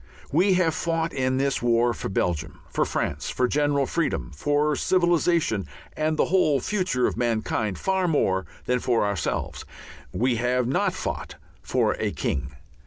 We have fought in this war for Belgium, for France, for general freedom, for civilization and the whole future of mankind, far more than for ourselves. We have not fought for a king.